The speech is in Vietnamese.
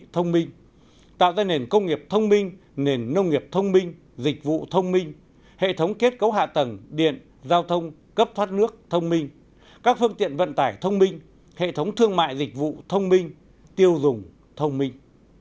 thông minh tạo ra nền công nghiệp thông minh nền nông nghiệp thông minh dịch vụ thông minh hệ thống kết cấu hạ tầng điện giao thông cấp thoát nước thông minh các phương tiện vận tải thông minh hệ thống thương mại dịch vụ thông minh tiêu dùng thông minh